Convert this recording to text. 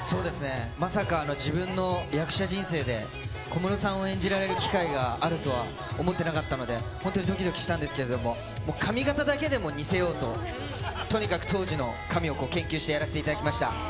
まさか自分の役者人生で、小室さんを演じられる機会があるとは思ってなかったので、本当にどきどきしたんですけど、もう髪形だけでも似せようと、とにかく当時の髪をこう、研究してやらせていただきました。